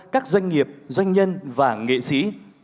các doanh nghiệp doanh nhân và nghệ sĩ